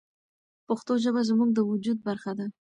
پښتو ژبه زموږ د وجود برخه ده.